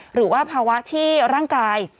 หรือว่าภาวะที่ร่างกาย